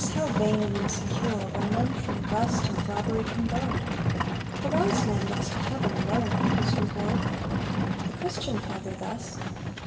how vain and insecure, Where none from rust and robbery can guard: The wise man looks to heaven alone for his reward." The Christian father thus.